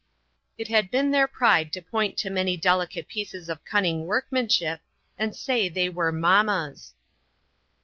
It had been their pride to point to many delicate pieces of cunning workmanship, and say they were " mamma's."